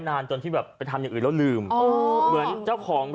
นานจนที่แบบไปทำอย่างอื่นแล้วลืมเหมือนเจ้าของ